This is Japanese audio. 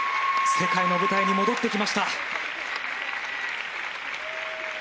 世界の舞台に戻ってきました。